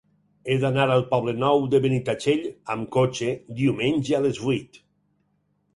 He d'anar al Poble Nou de Benitatxell amb cotxe diumenge a les vuit.